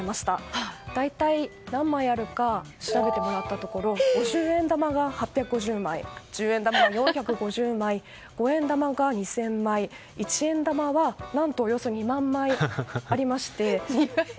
大体何枚あるか調べてもらったところ五十円玉が８５０枚十円玉が４５０枚五円玉が２０００枚一円玉は何と、およそ２万枚ありまして。